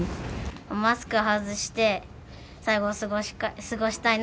マスク外して、最後、過ごしたいな。